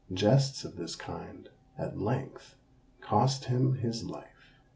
Jests of this kind at length cost him his life.